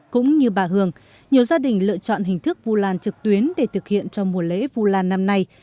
cũng như bà hường nhiều gia đình lựa chọn hình thức vu lan trực tuyến để thực hiện cho mùa lễ vu lan năm nay